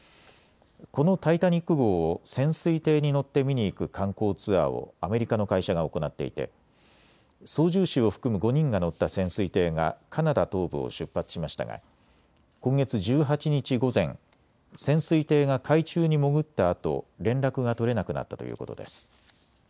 このタイタニック号を潜水艇に乗って見に行く観光ツアーをアメリカの会社が行っていて操縦士を含む５人が乗った潜水艇がカナダ東部を出発しましたが今月１８日午前、潜水艇が海中に潜ったあと連絡が取れなくなったということです。